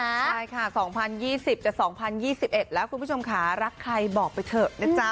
ใช่ค่ะ๒๐๒๐จะ๒๐๒๑แล้วคุณผู้ชมค่ะรักใครบอกไปเถอะนะจ๊ะ